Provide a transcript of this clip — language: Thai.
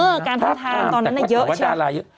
เออการทาบทามตอนนั้นอะเยอะใช่มั้ย